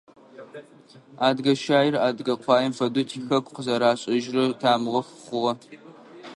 Адыгэ щаир адыгэ къуаем фэдэу тихэку къызэрашӏэжьрэ тамыгъэу хъугъэ.